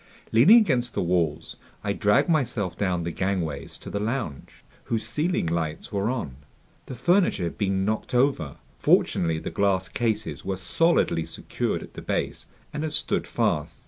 Leaning against the walls, I dragged myself down the gangways to the lounge, whose ceiling lights were on. The furniture had been knocked over. Fortunately the glass cases were solidly secured at the base and had stood fast.